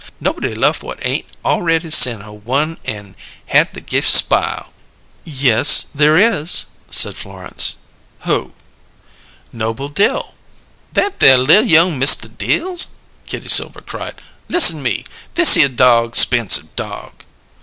Nobody lef' whut ain't awready sen' her one an' had the gift spile." "Yes, there is," said Florence. "Who?" "Noble Dill." "That there li'l young Mista Dills?" Kitty Silver cried. "Listen me! Thishere dog 'spensive dog."